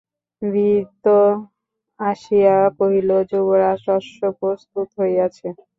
ভৃত্য আসিয়া কহিল, যুবরাজ, অশ্ব প্রস্তুত হইয়াছে।